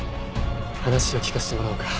話を聞かせてもらおうか。